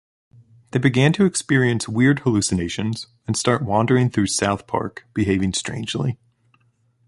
They begin to experience weird hallucinations and start wandering through South Park behaving strangely.